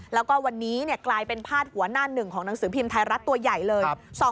แล้วก็วันนี้กลายเป็นพาดหัวหน้าหนึ่งของหนังสือพิมพ์ไทยรัฐตัวใหญ่เลย